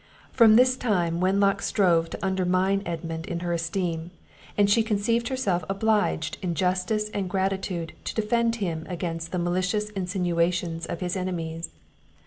From this time Wenlock strove to undermine Edmund in her esteem, and she conceived herself obliged in justice and gratitude to defend him against the malicious insinuations of his enemies.